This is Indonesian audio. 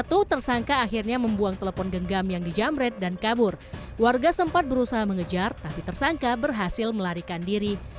tersangka yang berusaha mengejar tetapi tersangka berhasil melarikan diri